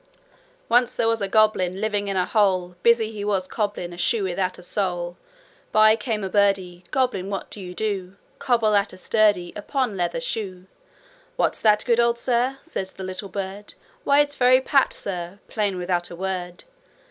'Once there was a goblin Living in a hole; Busy he was cobblin' A shoe without a sole. 'By came a birdie: "Goblin, what do you do?" "Cobble at a sturdie Upper leather shoe." '"What's the good o' that, Sir?" Said the little bird. "Why it's very Pat, Sir Plain without a word.